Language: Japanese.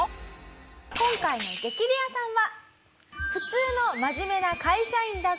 今回の激レアさんは。